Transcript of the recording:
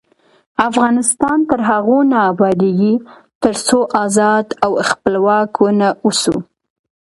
افغانستان تر هغو نه ابادیږي، ترڅو ازاد او خپلواک ونه اوسو.